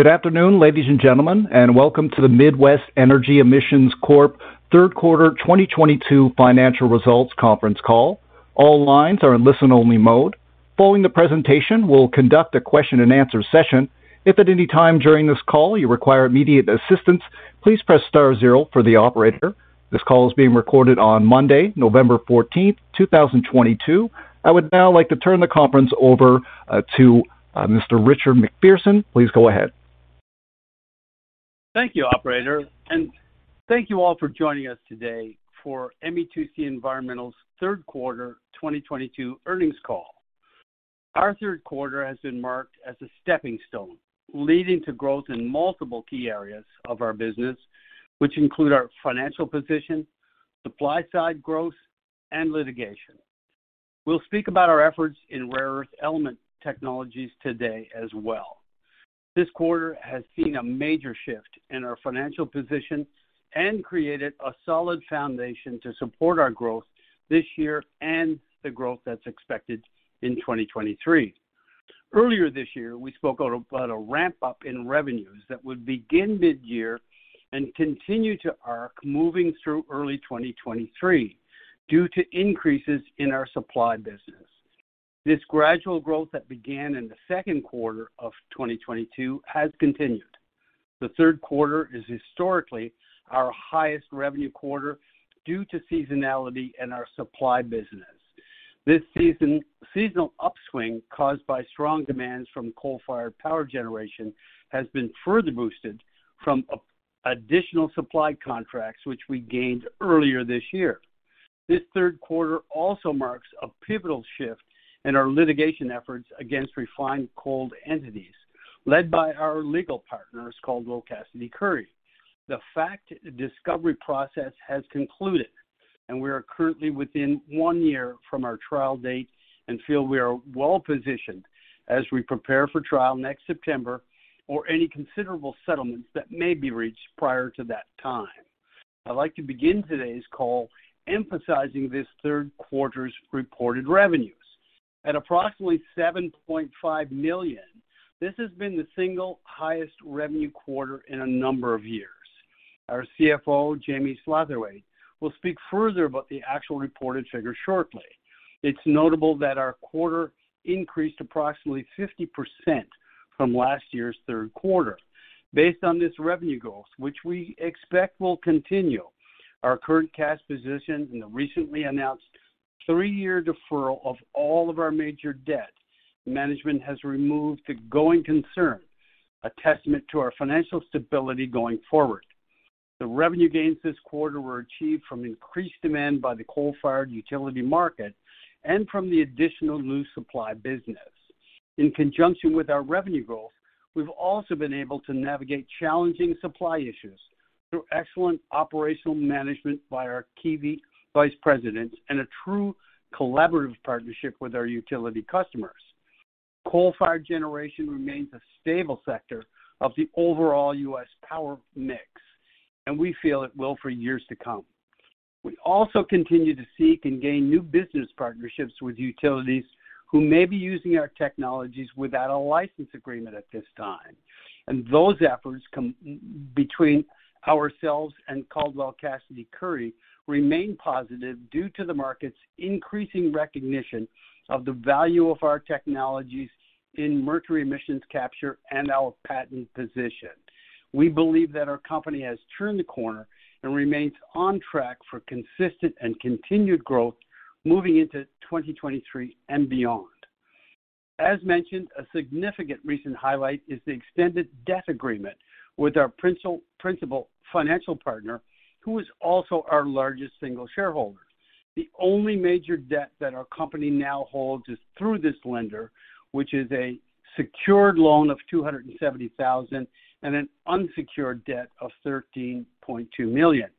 Good afternoon, ladies and gentlemen, and welcome to the Midwest Energy Emissions Corp Third Quarter 2022 financial results conference call. All lines are in listen-only mode. Following the presentation, we'll conduct a question and answer session. If at any time during this call you require immediate assistance, please press star zero for the operator. This call is being recorded on Monday, November 14tha, 2022. I would now like to turn the conference over to Mr. Richard MacPherson. Please go ahead. Thank you, operator, and thank you all for joining us today for ME2C Environmental's third quarter 2022 earnings call. Our third quarter has been marked as a stepping stone, leading to growth in multiple key areas of our business which include our financial position, supply side growth, and litigation. We'll speak about our efforts in rare earth element technologies today as well. This quarter has seen a major shift in our financial position and created a solid foundation to support our growth this year and the growth that's expected in 2023. Earlier this year, we spoke about a ramp up in revenues that would begin mid-year and continue to arc moving through early 2023 due to increases in our supply business. This gradual growth that began in the second quarter of 2022 has continued. The third quarter is historically our highest revenue quarter due to seasonality in our supply business. This season, seasonal upswing caused by strong demands from coal-fired power generation has been further boosted from additional supply contracts which we gained earlier this year. This third quarter also marks a pivotal shift in our litigation efforts against refined coal entities led by our legal partners, Caldwell Cassady Curry. The fact discovery process has concluded, and we are currently within one year from our trial date and feel we are well-positioned as we prepare for trial next September or any considerable settlements that may be reached prior to that time. I'd like to begin today's call emphasizing this third quarter's reported revenues. At approximately $7.5 million, this has been the single highest revenue quarter in a number of years. Our CFO, Jami Satterthwaite, will speak further about the actual reported figures shortly. It's notable that our quarter increased approximately 50% from last year's third quarter. Based on this revenue growth, which we expect will continue, our current cash position in the recently announced three-year deferral of all of our major debt, management has removed the going concern, a testament to our financial stability going forward. The revenue gains this quarter were achieved from increased demand by the coal-fired utility market and from the additional new supply business. In conjunction with our revenue growth, we've also been able to navigate challenging supply issues through excellent operational management by our key vice presidents and a true collaborative partnership with our utility customers. Coal-fired generation remains a stable sector of the overall U.S. power mix, and we feel it will for years to come. We also continue to seek and gain new business partnerships with utilities who may be using our technologies without a license agreement at this time. Those efforts between ourselves and Caldwell Cassady Curry remain positive due to the market's increasing recognition of the value of our technologies in mercury emissions capture and our patent position. We believe that our company has turned the corner and remains on track for consistent and continued growth moving into 2023 and beyond. As mentioned, a significant recent highlight is the extended debt agreement with our principal financial partner, who is also our largest single shareholder. The only major debt that our company now holds is through this lender, which is a secured loan of $270,000 and an unsecured debt of $13.2 million.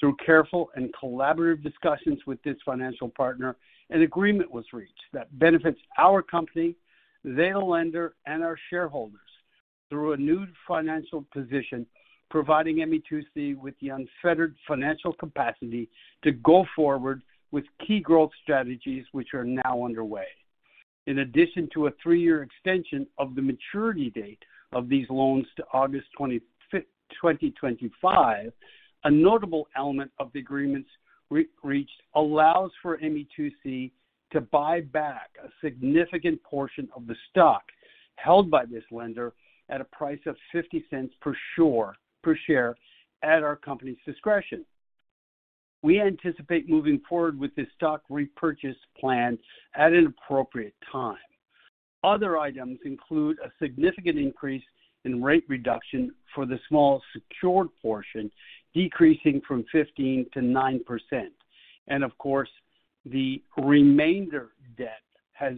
Through careful and collaborative discussions with this financial partner, an agreement was reached that benefits our company, the lender, and our shareholders through a new financial position providing ME2C with the unfettered financial capacity to go forward with key growth strategies which are now underway. In addition to a three-year extension of the maturity date of these loans to August 2025, a notable element of the agreements reached allows for ME2C to buy back a significant portion of the stock held by this lender at a price of $0.50 per share at our company's discretion. We anticipate moving forward with this stock repurchase plan at an appropriate time. Other items include a significant increase in rate reduction for the small secured portion, decreasing from 15% to 9%. Of course, the remainder debt has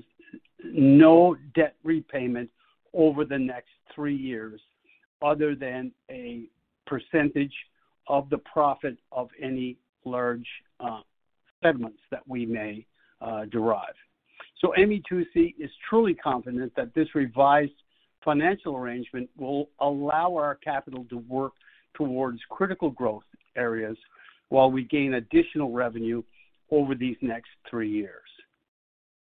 no debt repayment over the next three years other than a percentage of the profit of any large settlements that we may derive. ME2C is truly confident that this revised financial arrangement will allow our capital to work towards critical growth areas while we gain additional revenue over these next three years.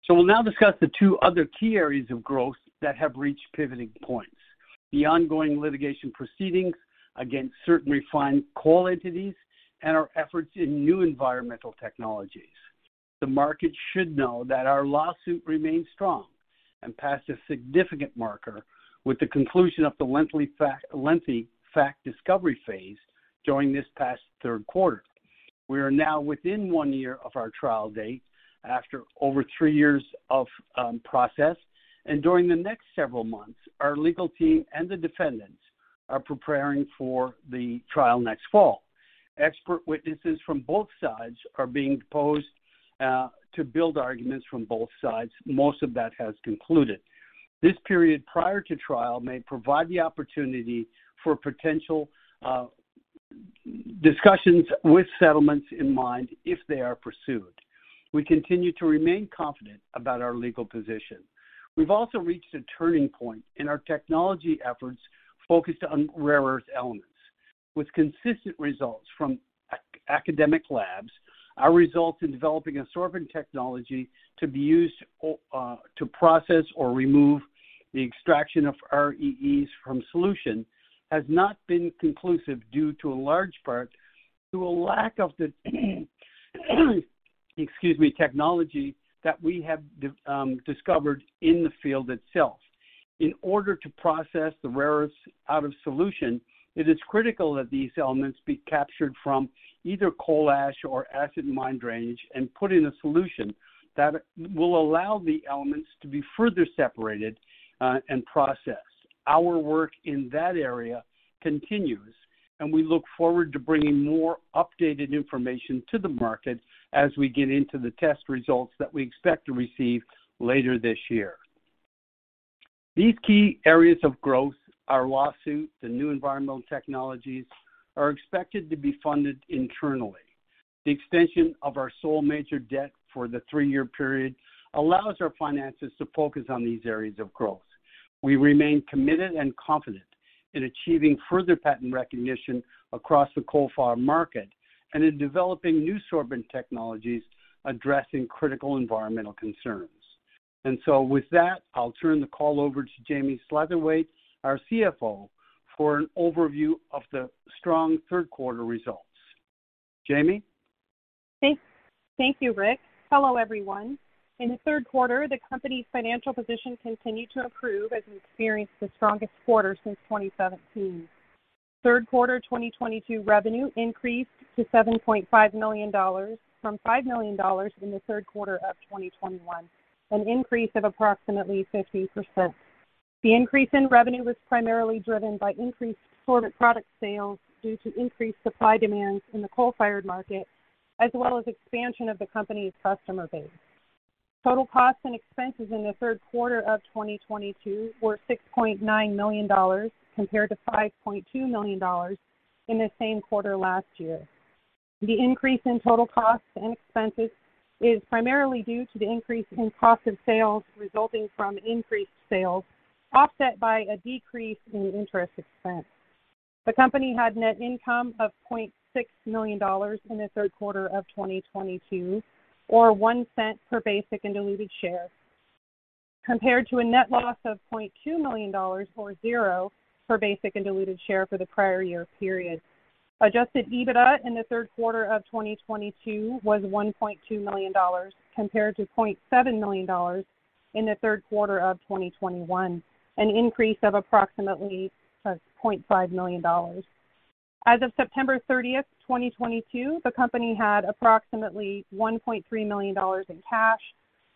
We'll now discuss the two other key areas of growth that have reached pivoting points. The ongoing litigation proceedings against certain refined coal entities and our efforts in new environmental technologies. The market should know that our lawsuit remains strong and passed a significant marker with the conclusion of the lengthy fact discovery phase during this past third quarter. We are now within one year of our trial date after over three years of process. During the next several months, our legal team and the defendants are preparing for the trial next fall. Expert witnesses from both sides are being deposed to build arguments from both sides. Most of that has concluded. This period prior to trial may provide the opportunity for potential discussions with settlements in mind if they are pursued. We continue to remain confident about our legal position. We've also reached a turning point in our technology efforts focused on rare earth elements. With consistent results from academic labs, our results in developing a sorbent technology to be used to process or remove the extraction of REEs from solution has not been conclusive due in large part to a lack of the, excuse me, technology that we have discovered in the field itself. In order to process the rare earths out of solution, it is critical that these elements be captured from either coal ash or acid mine drainage and put in a solution that will allow the elements to be further separated, and processed. Our work in that area continues, and we look forward to bringing more updated information to the market as we get into the test results that we expect to receive later this year. These key areas of growth, our lawsuit, the new environmental technologies, are expected to be funded internally. The extension of our sole major debt for the three-year period allows our finances to focus on these areas of growth. We remain committed and confident in achieving further patent recognition across the coal fire market and in developing new sorbent technologies addressing critical environmental concerns. With that, I'll turn the call over to Jami Satterthwaite, our CFO, for an overview of the strong third quarter results. Jami. Thank you, Rick. Hello, everyone. In the third quarter, the company's financial position continued to improve as we experienced the strongest quarter since 2017. Third quarter 2022 revenue increased to $7.5 million from $5 million in the third quarter of 2021, an increase of approximately 50%. The increase in revenue was primarily driven by increased sorbent product sales due to increased supply demands in the coal-fired market, as well as expansion of the company's customer base. Total costs and expenses in the third quarter of 2022 were $6.9 million compared to $5.2 million in the same quarter last year. The increase in total costs and expenses is primarily due to the increase in cost of sales resulting from increased sales, offset by a decrease in interest expense. The company had net income of $0.6 million in the third quarter of 2022, or $0.01 per basic and diluted share, compared to a net loss of $0.2 million, or $0.00 per basic and diluted share for the prior year period. Adjusted EBITDA in the third quarter of 2022 was $1.2 million compared to $0.7 million in the third quarter of 2021, an increase of approximately $0.5 million. As of September 30th, 2022, the company had approximately $1.3 million in cash,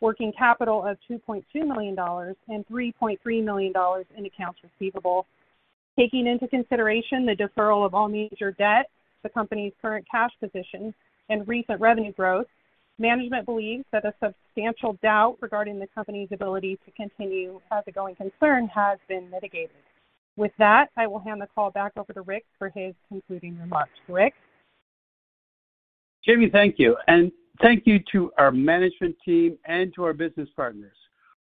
working capital of $2.2 million, and $3.3 million in accounts receivable. Taking into consideration the deferral of all major debt, the company's current cash position and recent revenue growth, management believes that a substantial doubt regarding the company's ability to continue as a going concern has been mitigated. With that, I will hand the call back over to Rick for his concluding remarks. Rick. Jami, thank you, and thank you to our management team and to our business partners.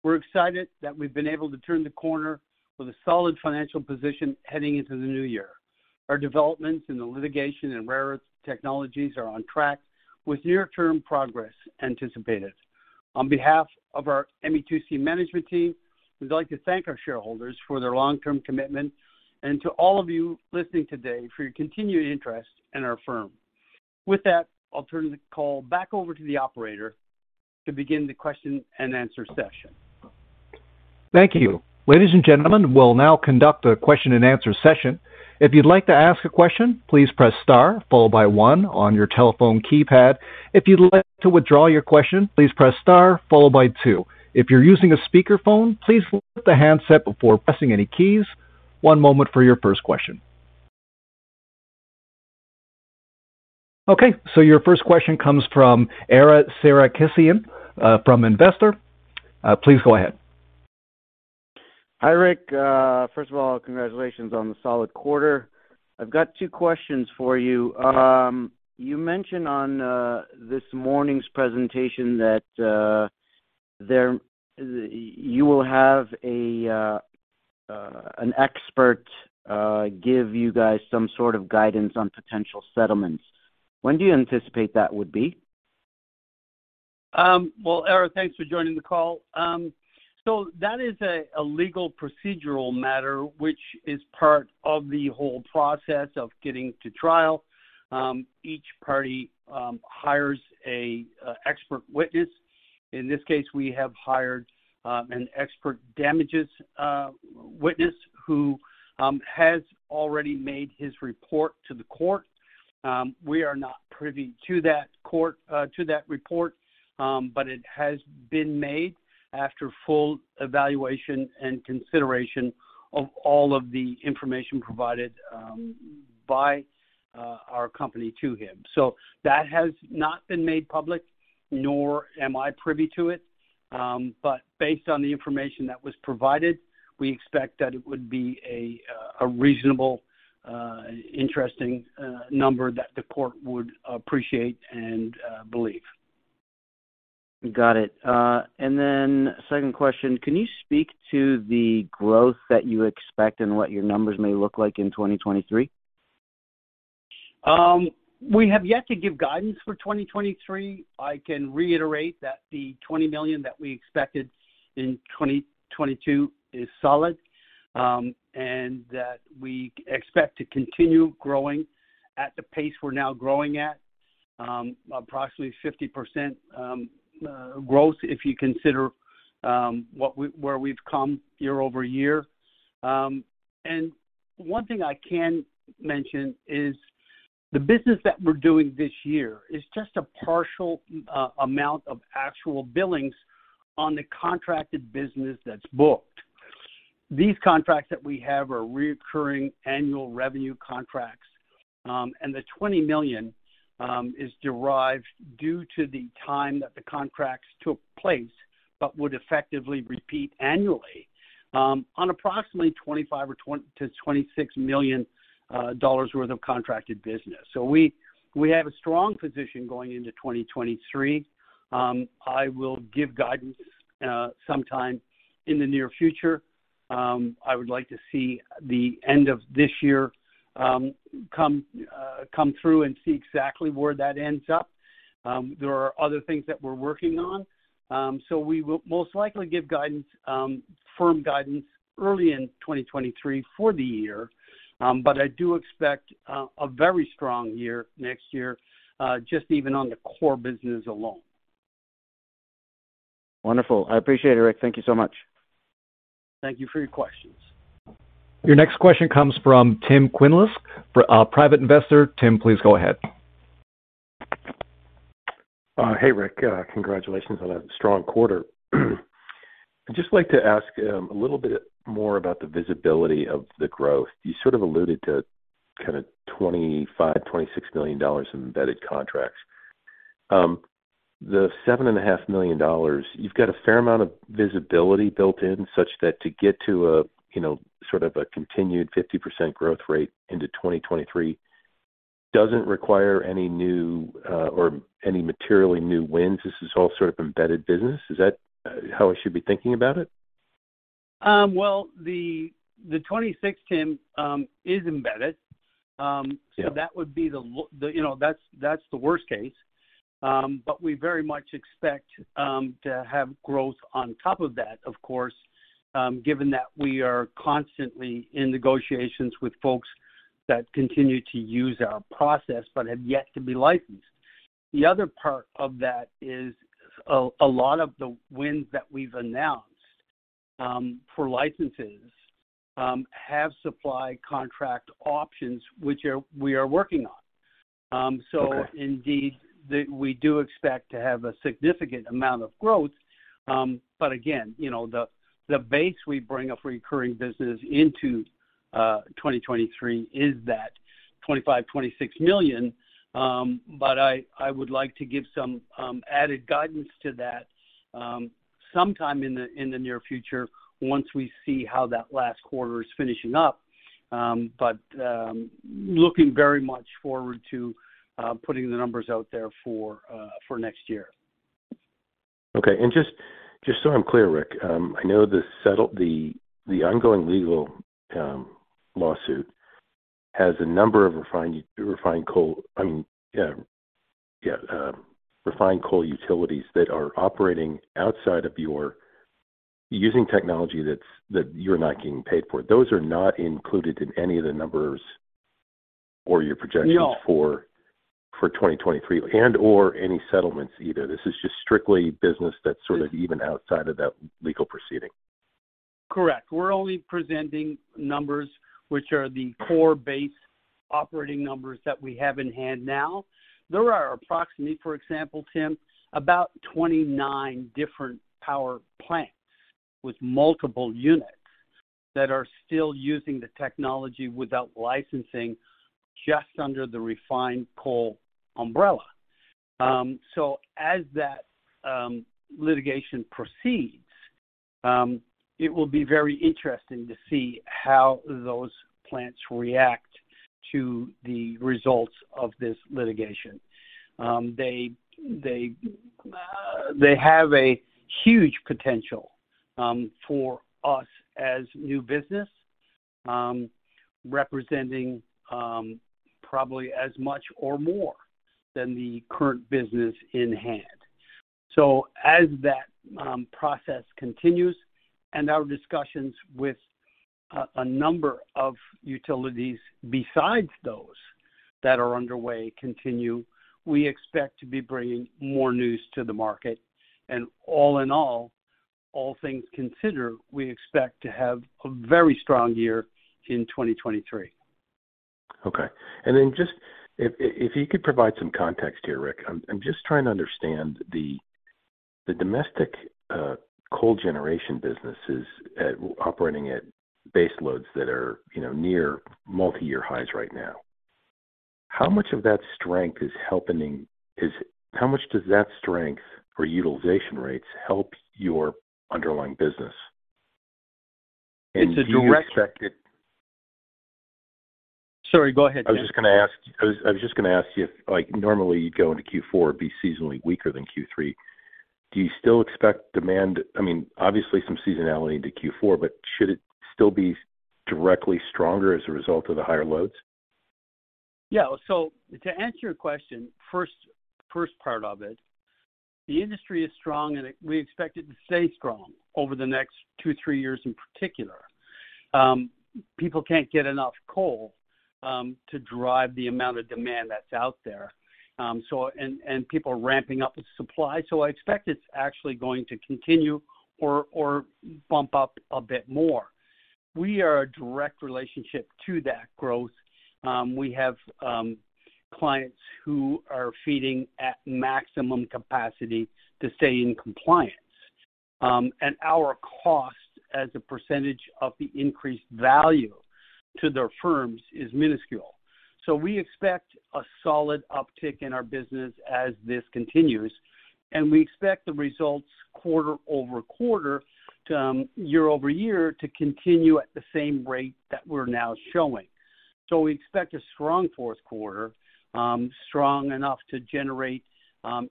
We're excited that we've been able to turn the corner with a solid financial position heading into the new year. Our developments in the litigation and rare earth technologies are on track with near-term progress anticipated. On behalf of our ME2C management team, we'd like to thank our shareholders for their long-term commitment and to all of you listening today for your continued interest in our firm. With that, I'll turn the call back over to the operator to begin the question-and-answer session. Thank you. Ladies and gentlemen, we'll now conduct a question-and-answer session. If you'd like to ask a question, please press star followed by one on your telephone keypad. If you'd like to withdraw your question, please press star followed by two. If you're using a speakerphone, please lift the handset before pressing any keys. One moment for your first question. Okay, so your first question comes from [Ara Sarukhanian], from Investor. Please go ahead. Hi, Rick. First of all, congratulations on the solid quarter. I've got two questions for you. You mentioned on this morning's presentation that you will have an expert give you guys some sort of guidance on potential settlements. When do you anticipate that would be? Well, Eric, thanks for joining the call. That is a legal procedural matter, which is part of the whole process of getting to trial. Each party hires an expert witness. In this case, we have hired an expert damages witness who has already made his report to the court. We are not privy to that report. It has been made after full evaluation and consideration of all of the information provided by our company to him. That has not been made public, nor am I privy to it. Based on the information that was provided, we expect that it would be a reasonable interesting number that the court would appreciate and believe. Got it. Second question, can you speak to the growth that you expect and what your numbers may look like in 2023? We have yet to give guidance for 2023. I can reiterate that the $20 million that we expected in 2022 is solid, and that we expect to continue growing at the pace we're now growing at, approximately 50% growth, if you consider where we've come year-over-year. One thing I can mention is the business that we're doing this year is just a partial amount of actual billings on the contracted business that's booked. These contracts that we have are recurring annual revenue contracts. The $20 million is derived due to the time that the contracts took place, but would effectively repeat annually on approximately $25 million or $26 million worth of contracted business. We have a strong position going into 2023. I will give guidance sometime in the near future. I would like to see the end of this year come through and see exactly where that ends up. There are other things that we're working on. We will most likely give guidance, firm guidance early in 2023 for the year. I do expect a very strong year next year, just even on the core business alone. Wonderful. I appreciate it, Rick. Thank you so much. Thank you for your questions. Your next question comes from Tim Quinlisk, Private Investor. Tim, please go ahead. Hey, Rick. Congratulations on a strong quarter. I'd just like to ask a little bit more about the visibility of the growth. You sort of alluded to kind of $25 million-$26 million in embedded contracts. The $7.5 million, you've got a fair amount of visibility built in such that to get to a, you know, sort of a continued 50% growth rate into 2023 doesn't require any new or any materially new wins. This is all sort of embedded business. Is that how I should be thinking about it? Well, the 26, Tim, is embedded. Yeah. That would be the, you know, that's the worst case. We very much expect to have growth on top of that, of course, given that we are constantly in negotiations with folks that continue to use our process but have yet to be licensed. The other part of that is a lot of the wins that we've announced for licenses have supply contract options, which we are working on. Okay. Indeed, we do expect to have a significant amount of growth. But again, you know, the base we bring of recurring business into 2023 is that $25 million-$26 million. But I would like to give some added guidance to that sometime in the near future once we see how that last quarter is finishing up. But looking very much forward to putting the numbers out there for next year. Okay. Just so I'm clear, Rick, I know the ongoing legal lawsuit has a number of refined coal, I mean, refined coal utilities that are operating outside of your using technology that you're not getting paid for. Those are not included in any of the numbers or your projections? No. For 2023 and/or any settlements either. This is just strictly business that's sort of even outside of that legal proceeding. Correct. We're only presenting numbers, which are the core base operating numbers that we have in hand now. There are approximately, for example, Tim, about 29 different power plants with multiple units that are still using the technology without licensing just under the refined coal umbrella. So as that litigation proceeds, it will be very interesting to see how those plants react to the results of this litigation. They have a huge potential for us as new business, representing probably as much or more than the current business in hand. So as that process continues and our discussions with a number of utilities besides those that are underway continue, we expect to be bringing more news to the market. All in all things considered, we expect to have a very strong year in 2023. Okay. Just if you could provide some context here, Rick. I'm just trying to understand the domestic coal generation businesses operating at base loads that are, you know, near multiyear highs right now. How much does that strength or utilization rates help your underlying business? Do you expect it? Sorry, go ahead, Tim. I was just gonna ask you if, like, normally you'd go into Q4, it'd be seasonally weaker than Q3. Do you still expect demand? I mean, obviously some seasonality into Q4, but should it still be definitely stronger as a result of the higher loads? Yeah. To answer your question, first part of it, the industry is strong and we expect it to stay strong over the next two three years in particular. People can't get enough coal to drive the amount of demand that's out there. People are ramping up the supply. I expect it's actually going to continue or bump up a bit more. We are a direct relationship to that growth. We have clients who are feeding at maximum capacity to stay in compliance. Our cost as a percentage of the increased value to their firms is minuscule. We expect a solid uptick in our business as this continues, and we expect the results quarter-over-quarter to year-over-year to continue at the same rate that we're now showing. We expect a strong fourth quarter, strong enough to generate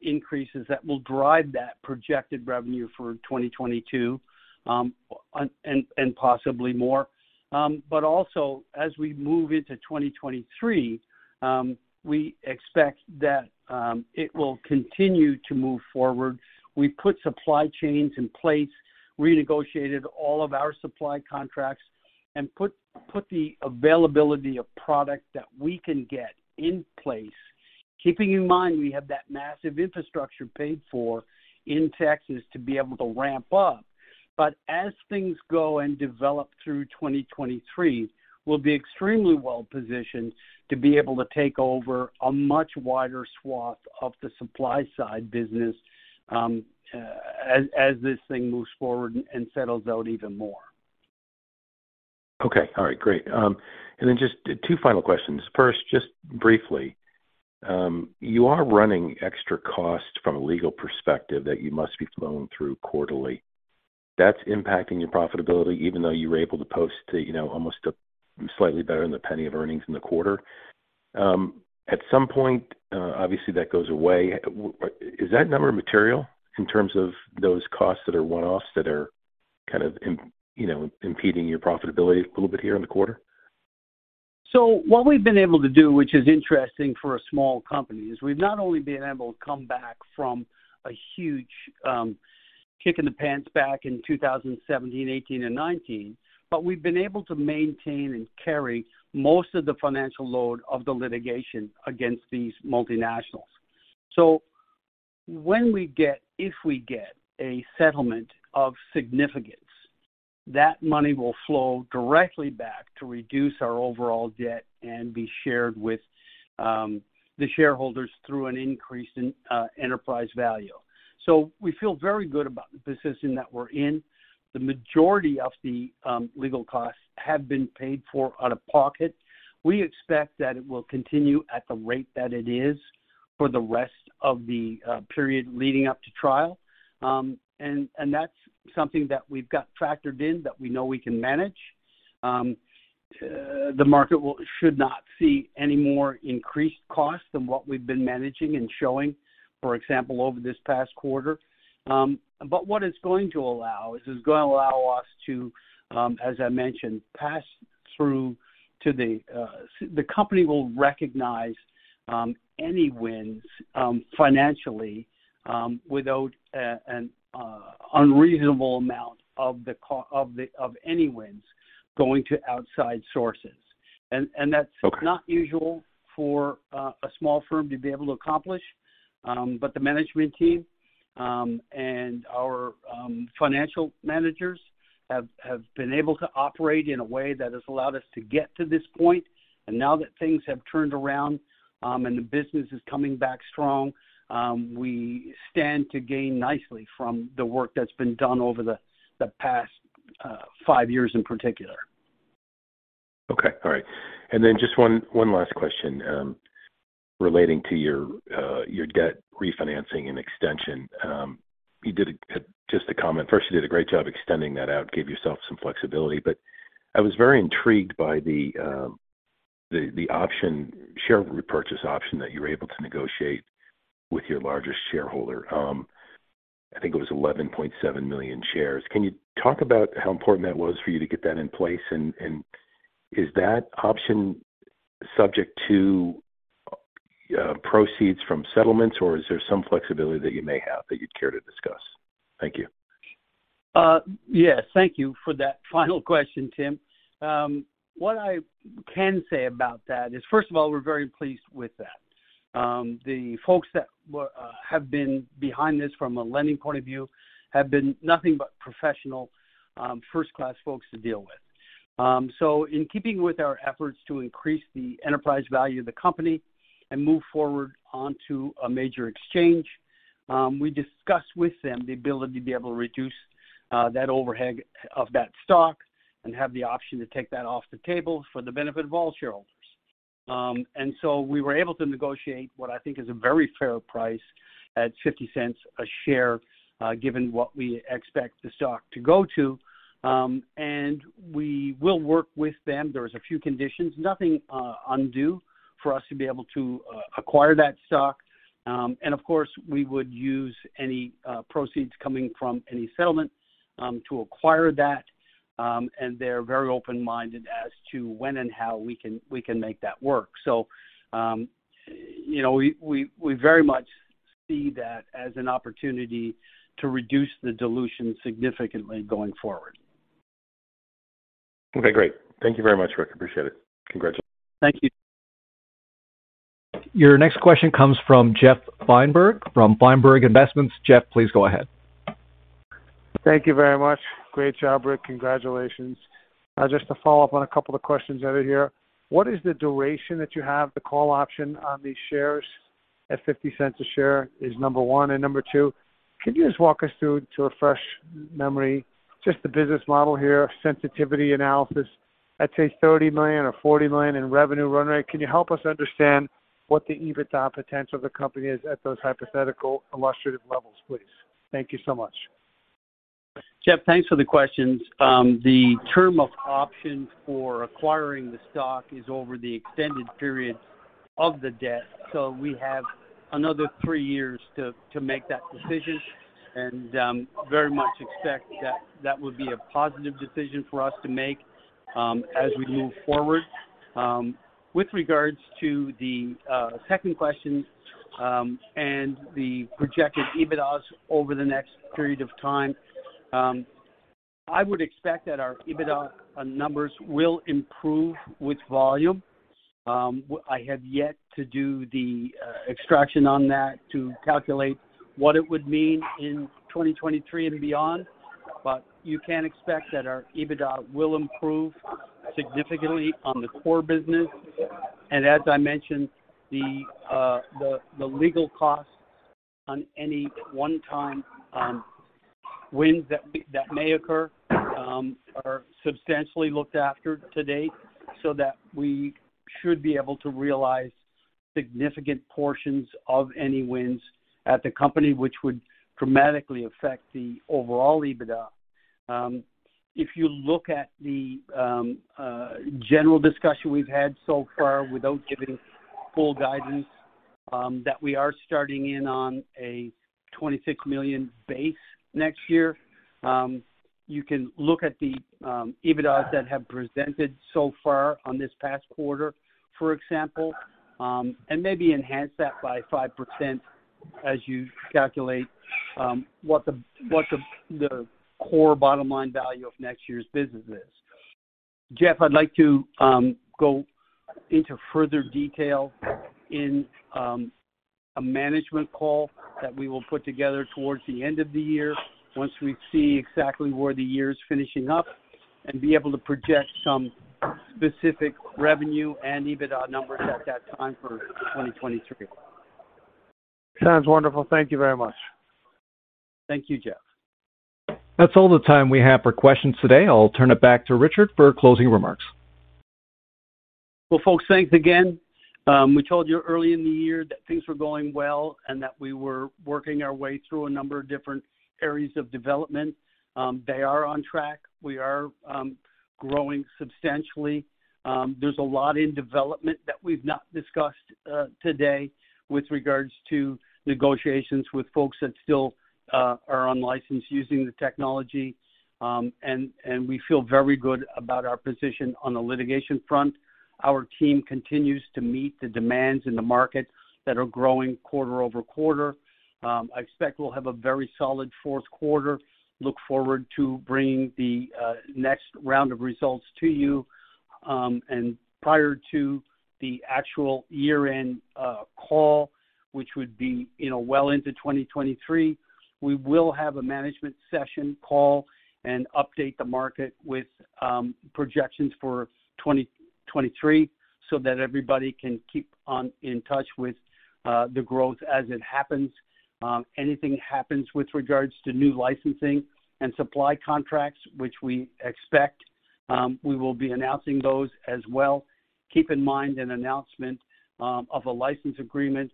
increases that will drive that projected revenue for 2022, and possibly more. Also as we move into 2023, we expect that it will continue to move forward. We put supply chains in place, renegotiated all of our supply contracts, and put the availability of product that we can get in place. Keeping in mind we have that massive infrastructure paid for in Texas to be able to ramp up. As things go and develop through 2023, we'll be extremely well-positioned to be able to take over a much wider swath of the supply side business, as this thing moves forward and settles out even more. Okay. All right, great. Just two final questions. First, just briefly, you are running extra costs from a legal perspective that you must be flowing through quarterly. That's impacting your profitability even though you were able to post, you know, almost slightly better than $0.01 of earnings in the quarter. At some point, obviously that goes away. Is that number material in terms of those costs that are one-offs that are kind of, you know, impeding your profitability a little bit here in the quarter? What we've been able to do, which is interesting for a small company, is we've not only been able to come back from a huge kick in the pants back in 2017, 2018 and 2019, but we've been able to maintain and carry most of the financial load of the litigation against these multinationals. When we get, if we get a settlement of significance, that money will flow directly back to reduce our overall debt and be shared with the shareholders through an increase in enterprise value. We feel very good about the position that we're in. The majority of the legal costs have been paid for out of pocket. We expect that it will continue at the rate that it is for the rest of the period leading up to trial. That's something that we've got factored in that we know we can manage. The market should not see any more increased costs than what we've been managing and showing, for example, over this past quarter. What it's going to allow us to, as I mentioned, pass through to the. The company will recognize any wins financially without an unreasonable amount of any wins going to outside sources. Okay That's not usual for a small firm to be able to accomplish. But the management team and our financial managers have been able to operate in a way that has allowed us to get to this point. Now that things have turned around, and the business is coming back strong, we stand to gain nicely from the work that's been done over the past five years in particular. Okay. All right. Just one last question relating to your debt refinancing and extension. First, you did a great job extending that out, gave yourself some flexibility. I was very intrigued by the share repurchase option that you were able to negotiate with your largest shareholder. I think it was 11.7 million shares. Can you talk about how important that was for you to get that in place? Is that option subject to proceeds from settlements, or is there some flexibility that you may have that you'd care to discuss? Thank you. Yes. Thank you for that final question, Tim. What I can say about that is, first of all, we're very pleased with that. The folks that have been behind this from a lending point of view have been nothing but professional, first-class folks to deal with. In keeping with our efforts to increase the enterprise value of the company and move forward onto a major exchange, we discussed with them the ability to be able to reduce that overhead of that stock and have the option to take that off the table for the benefit of all shareholders. We were able to negotiate what I think is a very fair price at $0.50 a share, given what we expect the stock to go to. We will work with them. There's a few conditions, nothing undue for us to be able to acquire that stock. Of course, we would use any proceeds coming from any settlement to acquire that. They're very open-minded as to when and how we can make that work. You know, we very much see that as an opportunity to reduce the dilution significantly going forward. Okay, great. Thank you very much, Rick. Appreciate it. Congratulations. Thank you. Your next question comes from Jeff Feinberg from Feinberg Investments. Jeff, please go ahead. Thank you very much. Great job, Rick. Congratulations. Just to follow up on a couple of questions over here. What is the duration that you have the call option on these shares at $0.50 a share? Number one. Number two, can you just walk us through to refresh our memory, just the business model here, sensitivity analysis at say, $30 million or $40 million in revenue run rate. Can you help us understand what the EBITDA potential of the company is at those hypothetical illustrative levels, please? Thank you so much. Jeff, thanks for the questions. The term of option for acquiring the stock is over the extended period of the debt. We have another three years to make that decision and very much expect that that would be a positive decision for us to make as we move forward. With regards to the second question and the projected EBITDA over the next period of time, I would expect that our EBITDA numbers will improve with volume. I have yet to do the extrapolation on that to calculate what it would mean in 2023 and beyond. You can expect that our EBITDA will improve significantly on the core business. As I mentioned, the legal costs on any one-time wins that may occur are substantially looked after to date so that we should be able to realize significant portions of any wins at the company, which would dramatically affect the overall EBITDA. If you look at the general discussion we've had so far, without giving full guidance, that we are starting in on a $26 million base next year, you can look at the EBITDAs that have presented so far on this past quarter, for example, and maybe enhance that by 5% as you calculate what the core bottom line value of next year's business is. Jeff, I'd like to go into further detail in a management call that we will put together towards the end of the year once we see exactly where the year is finishing up and be able to project some specific revenue and EBITDA numbers at that time for 2023. Sounds wonderful. Thank you very much. Thank you, Jeff. That's all the time we have for questions today. I'll turn it back to Richard for closing remarks. Well, folks, thanks again. We told you early in the year that things were going well and that we were working our way through a number of different areas of development. They are on track. We are growing substantially. There's a lot in development that we've not discussed today with regards to negotiations with folks that still are on license using the technology. We feel very good about our position on the litigation front. Our team continues to meet the demands in the market that are growing quarter-over-quarter. I expect we'll have a very solid fourth quarter. Look forward to bringing the next round of results to you. Prior to the actual year-end call, which would be you know, well into 2023, we will have a management session call and update the market with projections for 2023 so that everybody can keep in touch with the growth as it happens. Anything happens with regards to new licensing and supply contracts, which we expect, we will be announcing those as well. Keep in mind an announcement of a license agreement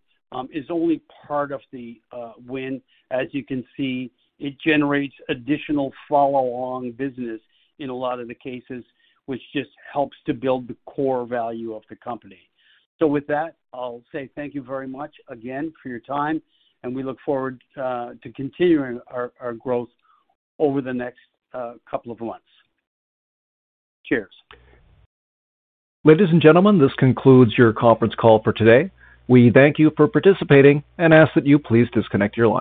is only part of the win. As you can see, it generates additional follow-on business in a lot of the cases, which just helps to build the core value of the company. With that, I'll say thank you very much again for your time, and we look forward to continuing our growth over the next couple of months. Cheers. Ladies and gentlemen, this concludes your conference call for today. We thank you for participating and ask that you please disconnect your line.